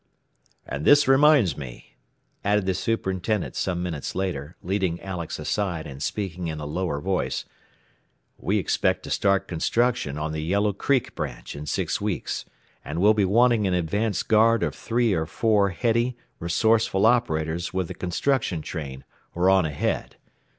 "And this reminds me," added the superintendent some minutes later, leading Alex aside and speaking in a lower voice. "We expect to start construction on the Yellow Creek branch in six weeks, and will be wanting an 'advance guard' of three or four heady, resourceful operators with the construction train, or on ahead.